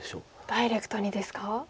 ダイレクトにですか？